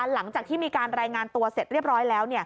หลังจากที่มีการรายงานตัวเสร็จเรียบร้อยแล้ว